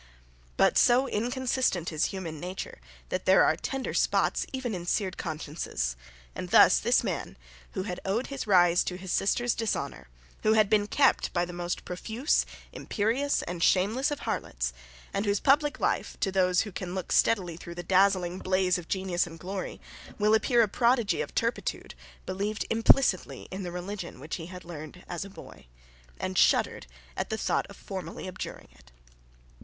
But so inconsistent is human nature that there are tender spots even in seared consciences. And thus this man, who had owed his rise to his sister's dishonour, who had been kept by the most profuse, imperious, and shameless of harlots, and whose public life, to those who can look steadily through the dazzling blaze of genius and glory, will appear a prodigy of turpitude, believed implicitly in the religion which he had learned as a boy, and shuddered at the thought of formally abjuring it.